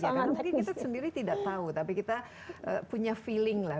karena mungkin kita sendiri tidak tahu tapi kita punya feeling lah